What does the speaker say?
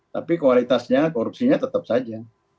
tapi kualitasnya korupsinya tetap saja